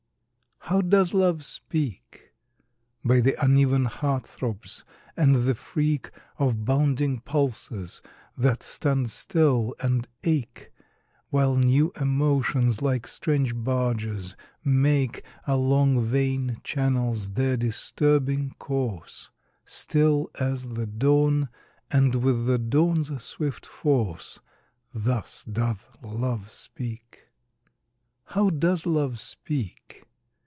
How does Love speak? By the uneven heart throbs, and the freak Of bounding pulses that stand still and ache, While new emotions, like strange barges, make Along vein channels their disturbing course; Still as the dawn, and with the dawn's swift force Thus doth Love speak. How does Love speak?